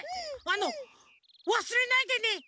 あの「わすれないでね。